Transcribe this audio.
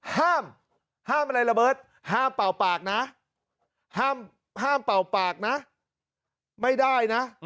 ห้ามห้ามอะไรระเบิดห้ามเป่าปากนะห้ามเป่าปากนะไม่ได้นะ